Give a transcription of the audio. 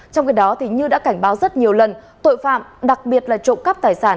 trong khi đó như đã cảnh báo rất nhiều lần tội phạm đặc biệt là trộm cắp tài sản